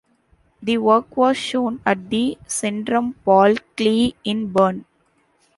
The work was shown at the Zentrum Paul Klee in Bern.